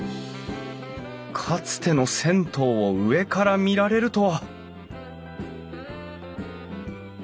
かつての銭湯を上から見られるとは！